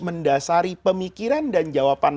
mendasari pemikiran dan jawaban